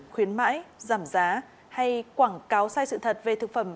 khuyến mãi giảm giá hay quảng cáo sai sự thật về thực phẩm